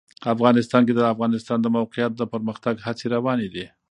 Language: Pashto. افغانستان کې د د افغانستان د موقعیت د پرمختګ هڅې روانې دي.